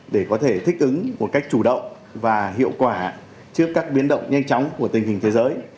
để có thể thích ứng một cách chủ động và hiệu quả trước các biến động nhanh chóng của tình hình thế giới